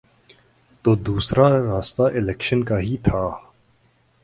تو دوسرا راستہ الیکشن کا ہی تھا۔